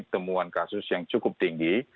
temuan kasus yang cukup tinggi